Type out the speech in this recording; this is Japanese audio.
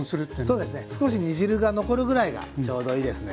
そうですね少し煮汁が残るぐらいがちょうどいいですね。